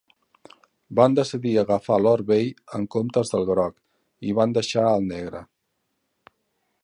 Van decidir agafar l'or vell en comptes del groc, i van deixar el negre.